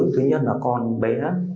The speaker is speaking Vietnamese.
thứ nhất là con bé